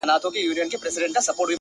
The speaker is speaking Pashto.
• هره چیغه یې رسېږي له کوډلو تر قصرونو ,